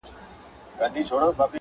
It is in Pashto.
عِلم حاصلېږي مدرسو او مکتبونو کي,